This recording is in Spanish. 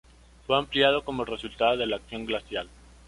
Fue ampliado como resultado de la acción glacial.